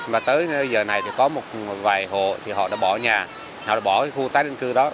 mà tới giờ này thì có một vài hộ thì họ đã bỏ nhà họ đã bỏ khu tái định cư đó